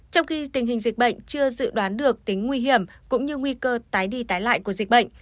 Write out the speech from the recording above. trong khi tình hình dịch bệnh chưa dự đoán được tính nguy hiểm cũng như nguy cơ tái đi tái lại của dịch bệnh